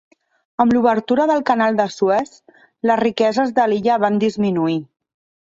Amb l'obertura del Canal de Suez, les riqueses de l'illa van disminuir.